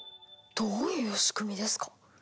どういう仕組みですか？